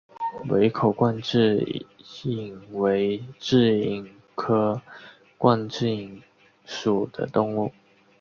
围口冠蛭蚓为蛭蚓科冠蛭蚓属的动物。